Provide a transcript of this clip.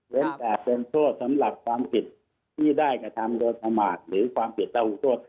แต่เป็นโทษสำหรับความผิดที่ได้กระทำโดยประมาทหรือความผิดตามหูโทษ